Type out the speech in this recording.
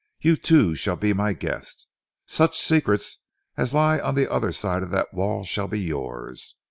You, too, shall be my guest. Such secrets as lie on the other side of that wall shall be yours.